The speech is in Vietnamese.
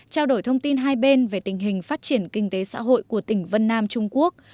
trao đổi thông tin hai bên về tình hình phát triển kinh tế xã hội của tỉnh vân nam trung quốc